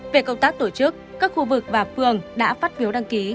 về công tác tổ chức các khu vực và phường đã phát phiếu đăng ký